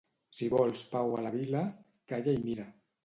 Si vols pau a la vila, calla i mira.